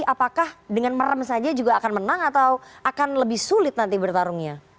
apakah dengan merem saja juga akan menang atau akan lebih sulit nanti bertarungnya